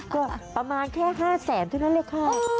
ก็ประมาณแค่๕แสนเท่านั้นเลยค่ะ